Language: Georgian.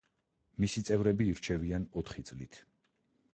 მისი წევრები ირჩევიან ოთხი წლით.